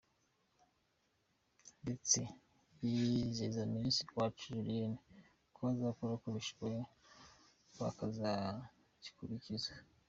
Ndetse yizeza minisitiri Uwacu Julienne ko bazakora uko bashoboye bakazikurikiza.